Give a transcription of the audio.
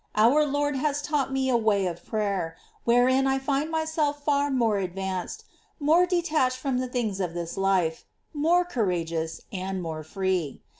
Our Lord has taught me a way of prayer, wherein I find myself far more advanced, more detached from the things of this life, more courageous, and more free.